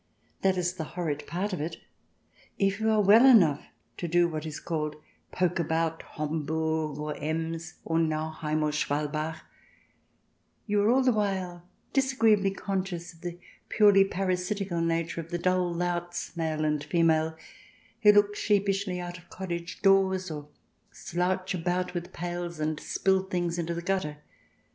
That is the horrid part of it. If you are well enough to do what is called " poke about " Homburg, or Ems, or Nauheim, or Schwalbach, you are all the while disagreeably conscious of the purely parasitical nature of the dull louts, male and female, who look sheepishly out of cottage doors, or slouch about with pails and spill things into the gutter.